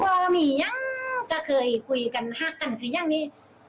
เออมียังก็เคยคุยกันหากกันคือยังนี้